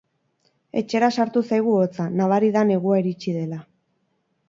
Etxera sartu zaigu hotza, nabari da negua iritsi dela.